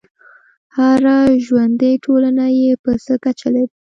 هره ژوندی ټولنه یې په څه کچه لري.